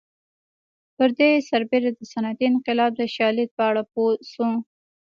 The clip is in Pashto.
پر دې سربېره د صنعتي انقلاب د شالید په اړه پوه شو